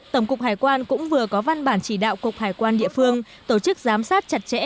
tổng cục hải quan cũng vừa có văn bản chỉ đạo cục hải quan địa phương tổ chức giám sát chặt chẽ